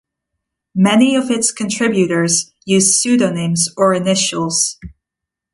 Many of its contributors used pseudonyms or initials.